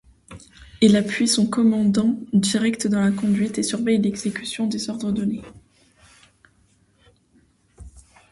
Il appuie son commandant direct dans la conduite et surveille l'exécution des ordres donnés.